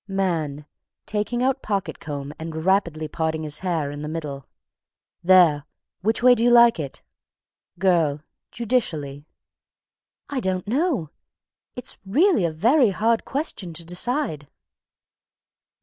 MAN. (Taking out pocket comb and rapidly parting his hair in the middle.) "There! Which way do you like it?" GIRL. (Judicially.) "I don't know. It's really a very hard question to decide."